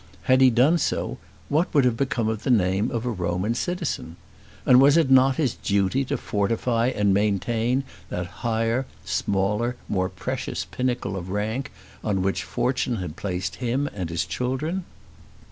Had he done so, what would have become of the name of a Roman citizen? And was it not his duty to fortify and maintain that higher, smaller, more precious pinnacle of rank on which Fortune had placed him and his children?